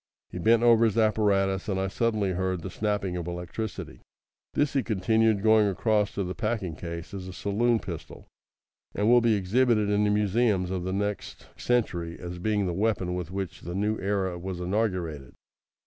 He bent over his apparatus, and I suddenly heard the snapping of electricity. "This," he continued going across to the packing case, "is a saloon pistol, and will be exhibited in the museums of the next century as being the weapon with which the new era was inaugurated.